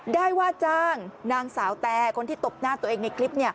ได้ว่าจ้างนางสาวแต่คนที่ตบหน้าตัวเองในคลิป